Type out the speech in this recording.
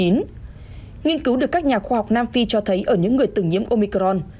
nghiên cứu được các nhà khoa học nam phi cho thấy ở những người từng nhiễm omicron